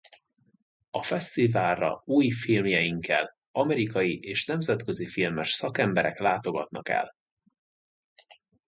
A fesztiválra új filmjeikkel amerikai és nemzetközi filmes szakemberek látogatnak el.